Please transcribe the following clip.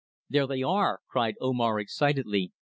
"There they are!" cried Omar excitedly.